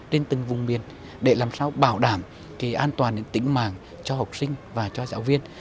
trên từng vùng miền để làm sao bảo đảm an toàn đến tính mạng cho học sinh và cho giáo viên